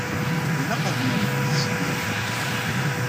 Ilaq ad nnameɣ yid-s qbel.